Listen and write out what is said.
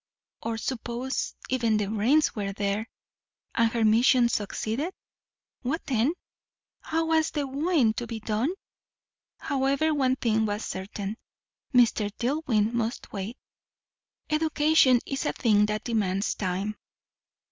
Or suppose even the brains were there, and her mission succeeded? What then? How was the wooing to be done? However, one thing was certain Mr. Dillwyn must wait. Education is a thing that demands time.